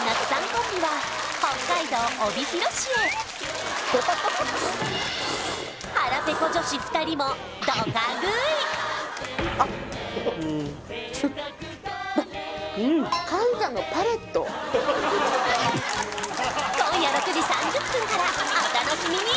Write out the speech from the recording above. コンビは北海道帯広市へ腹ぺこ女子２人もドカ食い今夜６時３０分からお楽しみに！